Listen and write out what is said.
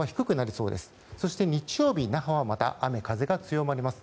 そして、日曜日、那覇はまた雨風が強くなります。